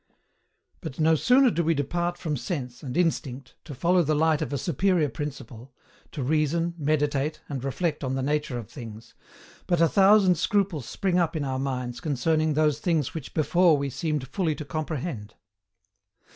But no sooner do we depart from sense and instinct to follow the light of a superior principle, to reason, meditate, and reflect on the nature of things, but a thousand scruples spring up in our minds concerning those things which before we seemed fully to comprehend.